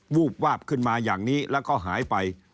วูบวาบขึ้นมาอย่างนี้แล้วก็หายไป